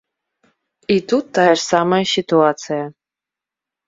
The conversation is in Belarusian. І тут тая ж самая сітуацыя.